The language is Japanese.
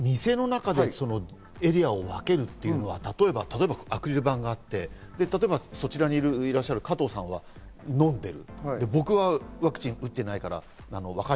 店の中でエリアを分けるというのは例えば、アクリル板があってそちらにいらっしゃる加藤さんが飲んでいる。